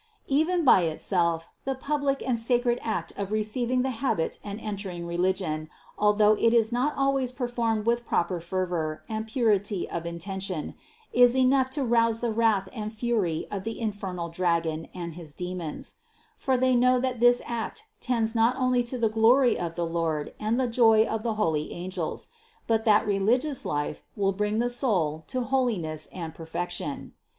427. Even by itself, the public and sacred act of re ceiving the habit and entering religion, although it is not always performed with proper fervor and purity of intention, is enough to rouse the wrath and fury of the infernal dragon and his demons ; for they know that this act tends not only to the glory of the Lord and the joy of the holy angels, but that religious life will bring the soul to holiness and perfection.